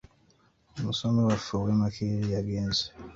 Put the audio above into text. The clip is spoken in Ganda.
Omusomi waffe ow'e Makerere yagenze.